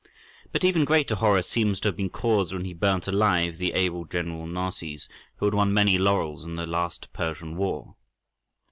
But even greater horror seems to have been caused when he burnt alive the able general Narses,(17) who had won many laurels in the last Persian war.